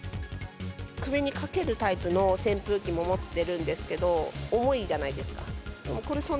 首にかけるタイプの扇風機も持ってるんですけど、重いじゃないですか。